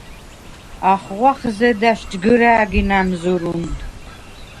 ახღვახ ზედა̈შ ჯგჷრა̄̈გი ნა̈მზჷრუნდ.